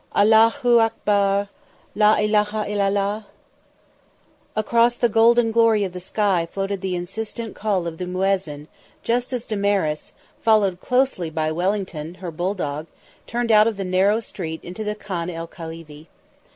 "... allahu akbar la ilaha illa 'llah!" Across the golden glory of the sky floated the insistent call of the muezzin just as Damaris, followed closely by Wellington, her bulldog, turned out of the narrow street into the Khan el Khalili.